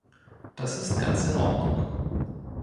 Das ist ganz in Ordnung.